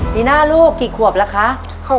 ปีหน้าลูกกี่ขวบแล้วคะ